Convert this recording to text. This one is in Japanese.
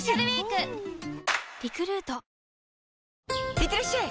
いってらっしゃい！